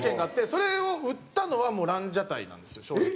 それを売ったのはランジャタイなんですよ正直。